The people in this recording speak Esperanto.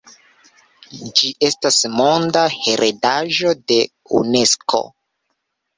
Ĝi estas monda heredaĵo de Unesko.